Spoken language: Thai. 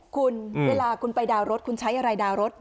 คุณเวลาคุณไปดาวนรถคุณใช้อะไรดาวรถ